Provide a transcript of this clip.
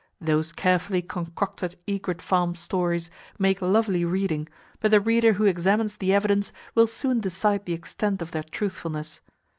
Those carefully concocted egret farm stories make lovely reading, but the reader who examines the evidence will soon decide the extent of their truthfulness.